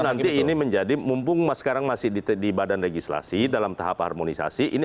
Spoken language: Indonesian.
nanti ini menjadi mumpung sekarang masih di badan legislasi dalam tahap harmonisasi